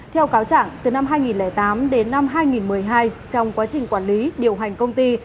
theo cáo trạng từ năm hai nghìn tám đến năm hai nghìn một mươi hai trong quá trình quản lý điều hành công ty